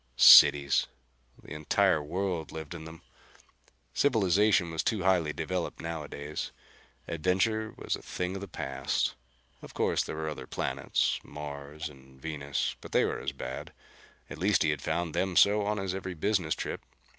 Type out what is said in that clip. Cities! The entire world lived in them! Civilization was too highly developed nowadays. Adventure was a thing of the past. Of course there were the other planets, Mars and Venus, but they were as bad. At least he had found them so on his every business trip.